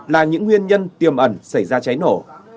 là những nguyên nhân tiềm ẩn xảy ra cháy nổ